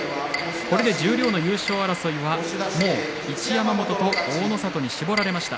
これで十両の優勝争いは一山本と大の里に絞られました。